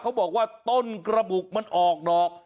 เขาบอกว่าต้นกระบุกมันออกดอก